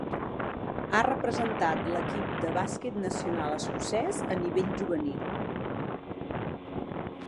Ha representat l'equip de bàsquet nacional escocès a nivell juvenil.